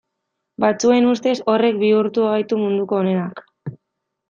Batzuen ustez horrek bihurtu gaitu munduko onenak.